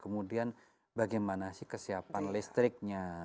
kemudian bagaimana sih kesiapan listriknya